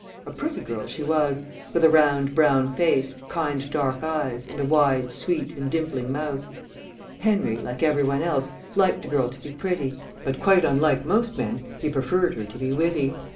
A pretty girl she was, with a round brown face, kind dark eyes, and a wide, sweet, and dimpling mouth. Henry, like every one else, liked a girl to be pretty, but, quite unlike most young men, he preferred her to be witty.